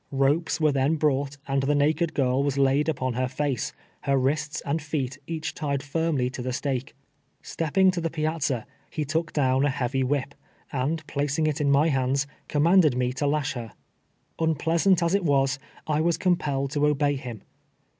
Ropes Avere then broii<;lit, and the naked girl was laid upon lier face, lier wrists and feet each tied firmly to a stake. Step ping to the piazza, he took down a heavy whip, and ])lacing it in my hamls, coininandcd nie to lasli her. Uni)leasant as it was, 1 was compelled to obey him.